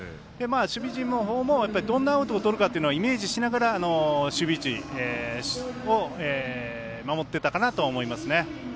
守備陣の方もどんなアウトをとるかというのをイメージしながら守備位置を守っていたかなと思いますね。